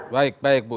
baik baik bu